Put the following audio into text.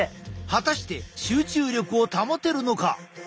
果たして集中力を保てるのか？